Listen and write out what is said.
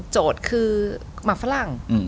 โจทย์คือหมักฝรั่ง